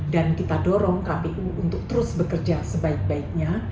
dan kita dorong kpu untuk terus bekerja sebaik baiknya